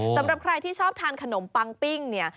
สำหรับใครที่ชอบทานขนมปังปิ้งเนี่ย